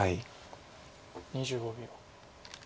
２５秒。